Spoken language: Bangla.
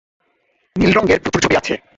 নীল রঙের প্রচুর ছবি আছে।